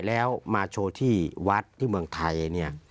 แล้วมาโชว์ที่วัดที่เมืองไทยเนี่ย